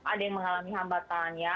ada yang mengalami hambatan ya